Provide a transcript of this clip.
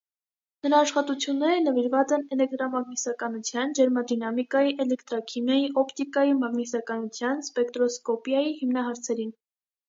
Նրա աշխատությունները նվիրված են էլեկտրամագնիսականության, ջերմադինամիկայի, էլեկտրաքիմիայի, օպտիկայի, մագնիսականության, սպեկտրոսկոպիայի հիմնահարցերին։